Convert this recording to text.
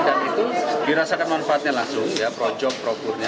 dan itu dirasakan manfaatnya langsung ya projok prokurnya